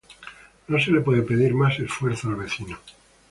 No se le puede pedir más esfuerzo al vecino.